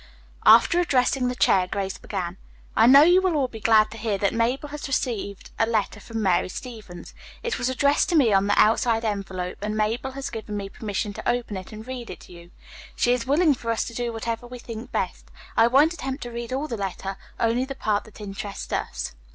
After addressing the chair, Grace began: "I know you will all be glad to hear that Mabel has received a letter from Mary Stevens. It was addressed to me on the outside envelope and Mabel has given me permission to open and read it to you. She is willing for us to do whatever we think best. I won't attempt to read all the letter, only that part that interests us.